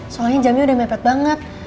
soalnya jamnya udah mepet banget